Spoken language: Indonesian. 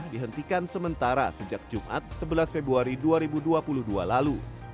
dihentikan sementara sejak jumat sebelas februari dua ribu dua puluh dua lalu